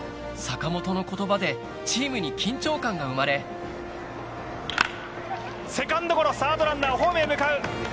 坂本の言葉でチームに緊張感が生まれセカンドゴロサードランナーホームへ向かう。